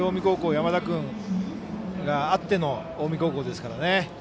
山田君があっての近江高校ですからね。